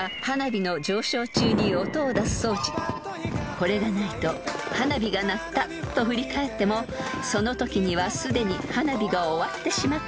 ［これがないと花火が鳴ったと振り返ってもそのときにはすでに花火が終わってしまっている］